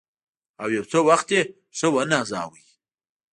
او یو څه وخت یې ښه ونازاوه.